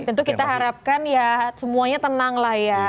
tentu kita harapkan ya semuanya tenang lah ya